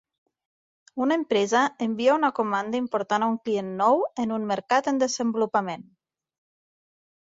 Una empresa envia una comanda important a un client nou en un mercat en desenvolupament.